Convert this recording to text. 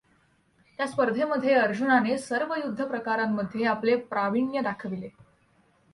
त्या स्पर्धेमध्ये अर्जुनाने सर्व युद्धप्रकारांमध्ये आपले प्रावीण्य दाखविले.